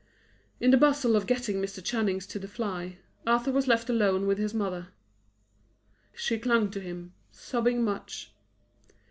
In the bustle of getting Mr. Channing to the fly, Arthur was left alone with his mother. She clung to him, sobbing much.